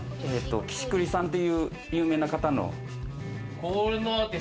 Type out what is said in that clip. きしくりさんっていう有名な方の。